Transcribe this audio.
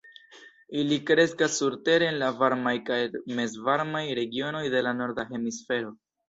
Ili kreskas surtere en la varmaj kaj mezvarmaj regionoj de la norda hemisfero.